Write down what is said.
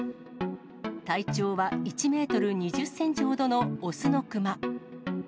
体長は１メートル２０センチほどの雄の熊。